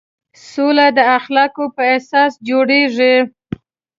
سوله د اخلاقو په اساس جوړېږي.